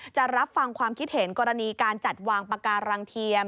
จะรับฟังความคิดเห็นกรณีการจัดวางปาการังเทียม